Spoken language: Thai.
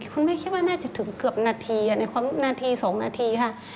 คุณแม่คิดว่าน่าจะถึงเกือบนาทีในนาที๒นาทีค่ะ